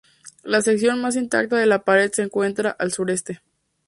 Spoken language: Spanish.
La sección más intacta de la pared se encuentra al sureste.